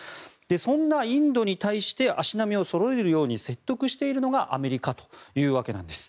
そんなインドに対して足並みをそろえるように説得しているのがアメリカというわけなんです。